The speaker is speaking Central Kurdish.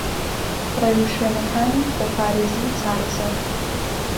رێوشوێنەکانی خۆپارێزی و چارەسەر